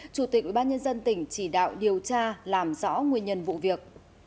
chủ tịch ubnd tỉnh chỉ đạo điều tra làm rõ nguyên nhân vụ việc